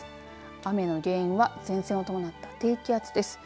雨の原因は前線を伴った低気圧です。